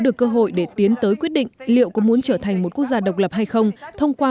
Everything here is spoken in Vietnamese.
được cơ hội để tiến tới quyết định liệu có muốn trở thành một quốc gia độc lập hay không thông qua